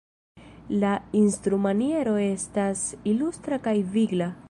La instrumaniero estas ilustra kaj vigla.